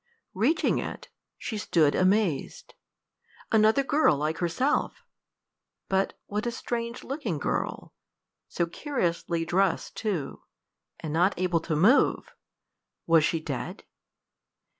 Reaching it, she stood amazed. Another girl like herself! But what a strange looking girl! so curiously dressed, too! and not able to move! Was she dead?